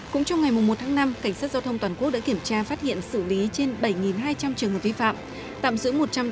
cũng trong ngày một tháng năm cảnh sát giao thông toàn quốc đã kiểm tra phát hiện xử lý trên bảy hai trăm linh trường hợp vi phạm tạm giữ